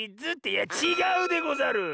いやちがうでござる！